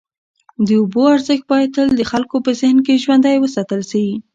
د اوبو ارزښت باید تل د خلکو په ذهن کي ژوندی وساتل سي.